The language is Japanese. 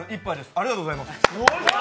ありがとうございます。